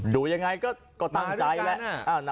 ดูยังไงก็ตั้งใจแหละ